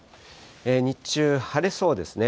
日中、晴れそうですね。